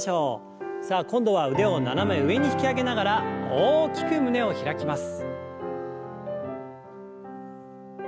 さあ今度は腕を斜め上に引き上げながら大きく胸を開きます。